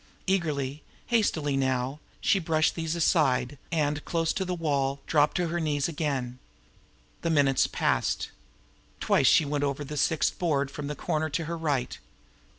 Eagerly, hastily now, she brushed these aside, and, close to the wall, dropped down on her knees again. The minutes passed. Twice she went over the sixth board from the corner to her right.